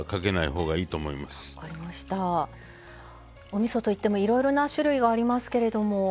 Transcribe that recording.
おみそといってもいろいろな種類がありますけれども。